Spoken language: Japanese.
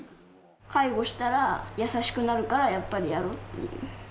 介護したら、優しくなるからやっぱりやろうって思う。